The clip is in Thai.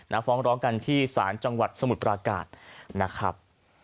ฟ้องร้องกันที่ศาลจังหวัดสมุทรปราการนะครับ